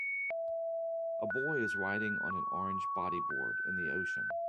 A boy is riding on an orange bodyboard in the ocean.